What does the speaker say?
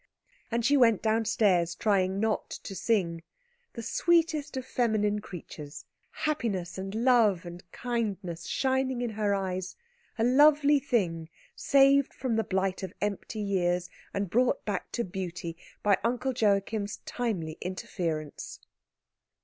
And she went downstairs trying not to sing, the sweetest of feminine creatures, happiness and love and kindness shining in her eyes, a lovely thing saved from the blight of empty years, and brought back to beauty, by Uncle Joachim's timely interference.